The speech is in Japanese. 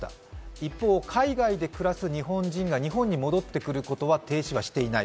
一方、海外で暮らす日本人が日本に戻ってくることは停止はしていない。